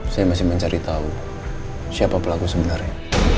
saya masih mencari tahu siapa pelaku sebenarnya